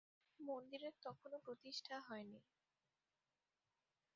মন্দিরের তখনও প্রতিষ্ঠা হয়নি।